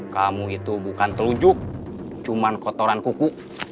kamu itu bukan telunjuk cuma kotoran kuku